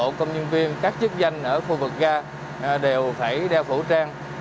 các công nhân viên các chức danh ở khu vực ga đều phải đeo khẩu trang